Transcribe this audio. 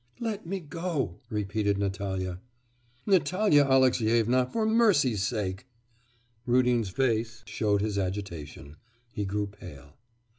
'Let me go!' repeated Natalya. 'Natalya Alexyevna, for mercy's sake!' Rudin's face showed his agitation. He grew pale.